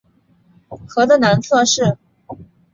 河的南侧是。